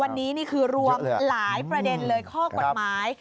อันนี้คือรวมหลายประเด็นข้อกวดไม้